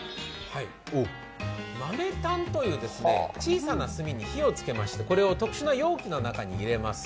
豆炭という小さな炭に火をつけましてこれを特殊な容器の中に入れます。